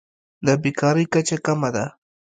د بیکارۍ کچه کمه ده.